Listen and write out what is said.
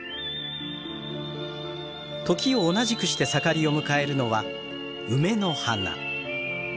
時を同じくして盛りを迎えるのは梅の花。